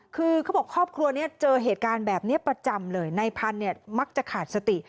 คือเขาบอกครอบครัวนี้เจอเหตุการณ์แบบนี้ประจำเลยในพันธุ์เนี่ยมักจะขาดสติ